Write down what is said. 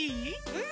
うん？